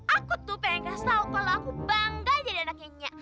aku tuh pengen kasih tau kalau aku bangga jadi anak nyenyak